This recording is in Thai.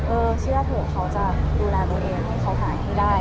เออเชื่อโทษเขาจะดูแลตัวเองให้เขาถ่ายให้ได้